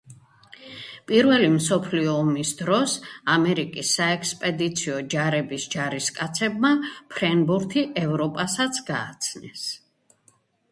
პირველი მსოფლიო ომის დროს ამერიკის საექსპედიციო ჯარების ჯარისკაცებმა ფრენბურთი ევროპასაც გააცნეს.